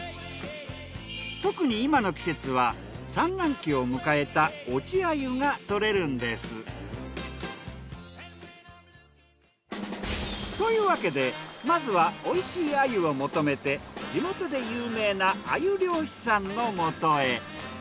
特に今の季節は産卵期を迎えた落ち鮎が獲れるんです。というわけでまずはおいしい鮎を求めて地元で有名な鮎漁師さんの元へ。